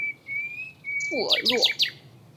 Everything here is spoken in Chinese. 富尔诺。